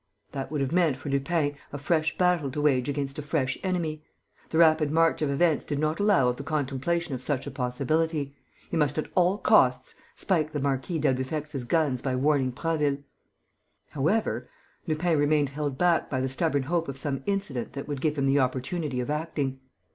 That would have meant, for Lupin, a fresh battle to wage against a fresh enemy. The rapid march of events did not allow of the contemplation of such a possibility. He must at all costs spike the Marquis d'Albufex' guns by warning Prasville. However, Lupin remained held back by the stubborn hope of some incident that would give him the opportunity of acting.